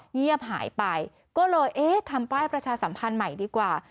เงียบหายไปก็เลยเอ๊ะทำป้ายประชาสัมพันธ์ใหม่ดีกว่า